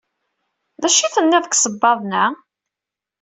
D acu tenniḍ deg isebbaḍen-a?